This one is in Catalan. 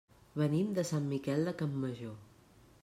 Venim de Sant Miquel de Campmajor.